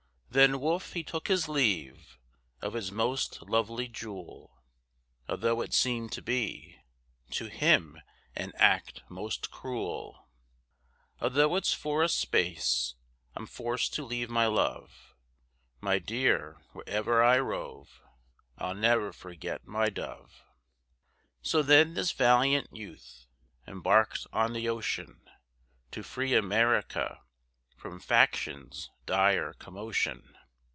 Then Wolfe he took his leave, Of his most lovely jewel; Although it seemed to be To him, an act most cruel. Although it's for a space I'm forced to leave my love, My dear, where'er I rove, I'll ne'er forget my dove. So then this valiant youth Embarked on the ocean, To free America From faction's dire commotion.